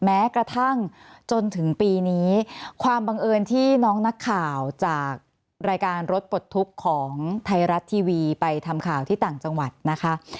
แม้กระทั่งจนถึงปีนี้ความบังเอิญที่น้องนักข่าวจากรายการรถปลดทุกข์ของไทยรัฐทีวีไปทำข่าวที่ต่างจังหวัดนะคะ